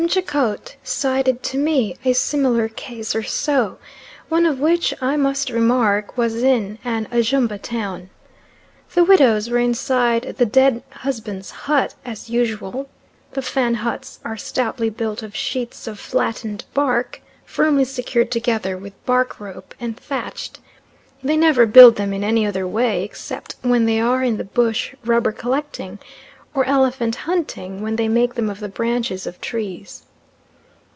Jacot cited to me a similar case or so, one of which I must remark was in an Ajumba town. The widows were inside the dead husband's hut, as usual; the Fan huts are stoutly built of sheets of flattened bark, firmly secured together with bark rope, and thatched they never build them in any other way except when they are in the bush rubber collecting or elephant hunting, when they make them of the branches of trees.